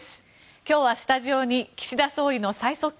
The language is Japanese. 今日はスタジオに岸田総理の最側近